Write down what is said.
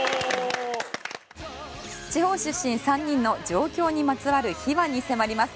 地方出身３人の上京にまつわる秘話に迫ります。